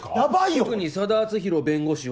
これ「特に佐田篤弘弁護士は」